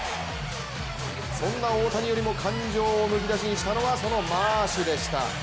そんな大谷よりも感情をむき出しにしたのがそのマーシュでした。